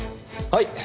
はい。